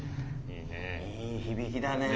いい響きだね。